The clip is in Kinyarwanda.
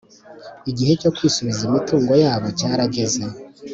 igihe cyo kwisubiza imitungo yabo cyarageze